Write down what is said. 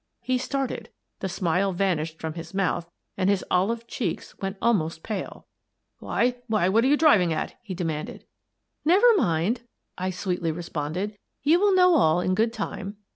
He started, the smile vanished from his mouth, and his olive cheeks went almost pale. "Why — why, what are you driving at?" he demanded. " Never mind," I sweetly responded. " You will know all in good time."